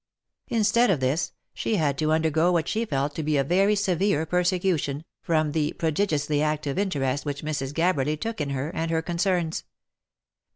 Instead of this, she had to undergo what she felt to be a very severe persecution, from the prodigiously active interest which Mrs, Gabberly took in her, and her concerns.